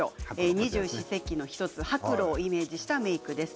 二十四節気の１つ白露をイメージしたメークです。